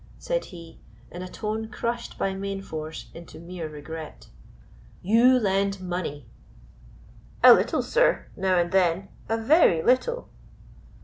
said he, in a tone crushed by main force into mere regret. "You lend money." "A little, sir, now and then a very little."